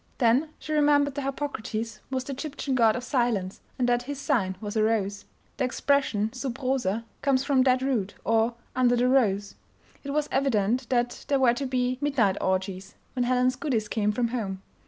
Then she remembered that Harpocrates was the Egyptian god of silence, and that his sign was a rose. The expression "sub rosa" comes from that root, or "under the rose." It was evident that there were to be "midnight orgies" when Helen's goodies came from home.